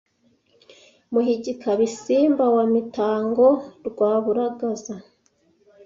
Muhigika-bisimba wa Mitango rwa Buragaza